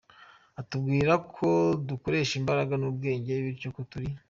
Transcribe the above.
Atubwira ko dukoresha imbaraga n’ubwenge bityo ko turi.